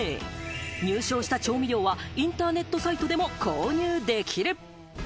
入賞した調味料はインターネットサイトでも購入できる。